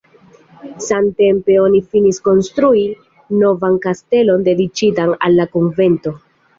Samtempe oni finis konstrui novan kastelon dediĉitan al la konvento.